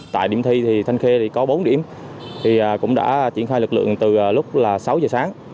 tại điểm thi thanh khê có bốn điểm cũng đã triển khai lực lượng từ lúc sáu giờ